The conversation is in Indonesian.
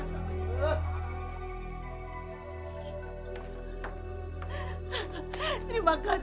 saya berlerak kepada kamu